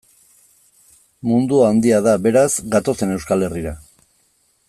Mundua handia da, beraz, gatozen Euskal Herrira.